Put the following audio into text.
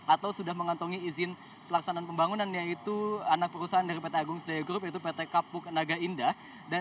atau sudah mengantongi izin pelaksanaan pembangunan yaitu anak perusahaan dari pt agung sedayo group yaitu pt kapuk naga indah